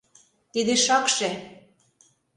Тиде шакше...